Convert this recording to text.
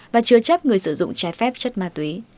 và chứa chấp người sử dụng trái phép chất ma túy